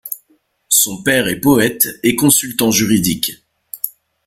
Son père est poète et consultant juridique.